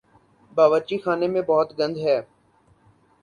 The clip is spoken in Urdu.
باورچی خانے میں بہت گند ہے